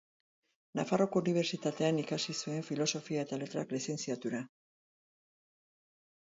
Nafarroako Unibertsitatean ikasi zuen Filosofia eta Letrak lizentziatura.